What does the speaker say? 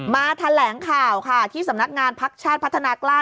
แถลงข่าวค่ะที่สำนักงานพักชาติพัฒนากล้า